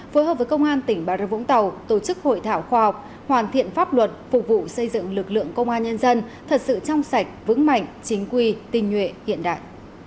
phối hợp với công an tỉnh bà rập vũng tàu tổ chức hội thảo khoa học hoàn thiện pháp luật phục vụ xây dựng lực lượng công an nhân dân thật sự trong sạch vững mạnh chính quy tinh nhuệ hiện đại